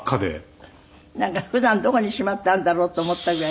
なんか普段どこにしまってあるんだろうと思ったぐらい。